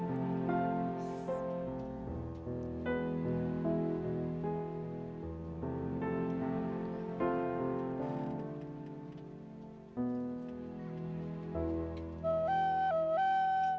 udah maghrib kita bisa ke rumah